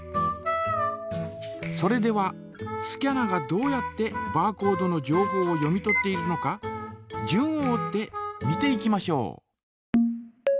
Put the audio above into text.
それではスキャナがどうやってバーコードの情報を読み取っているのか順を追って見ていきましょう。